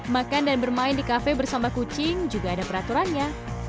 makan dan bermain di kafe bersama kucing juga ada peraturannya